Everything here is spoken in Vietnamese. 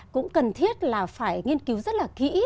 cũng cần thiết là phải nghiên cứu rất là kỹ